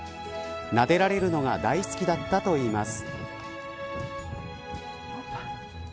なでられるのが大好きだったといいます。